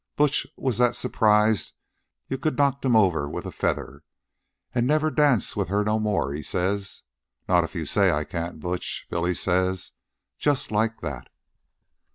Butch was that surprised you could knocked him over with a feather. 'An' never dance with her no more?' he says. 'Not if you say I can't, Butch,' Billy says. Just like that.